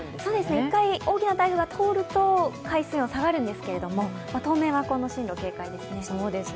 一回大きな台風が通ると海水温が下がるんですが当面はこの進路、警戒ですね。